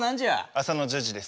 朝の１０時です。